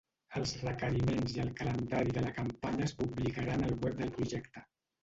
Els requeriments i el calendari de la campanya es publicaran al web del projecte.